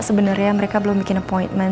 sebenarnya mereka belum membuat janji temu